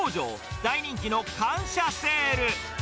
大人気の感謝セール。